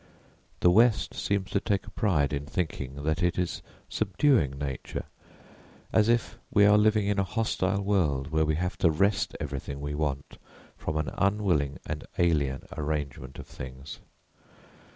The west seems to take a pride in thinking that it is subduing nature; as if we are living in a hostile world where we have to wrest everything we want from an unwilling and alien arrangement of things.